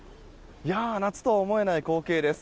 夏とは思えない光景です。